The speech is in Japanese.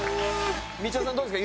みちおさんどうですか？